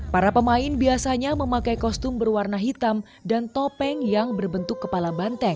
para pemain biasanya memakai kostum berwarna hitam dan topeng yang berbentuk kepala banteng